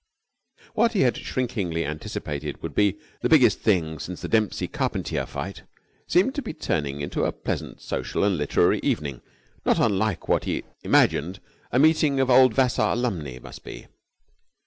What he had shrinkingly anticipated would be the biggest thing since the Dempsey Carpentier fight seemed to be turning into a pleasant social and literary evening not unlike what he imagined a meeting of old Vassar alumni must be.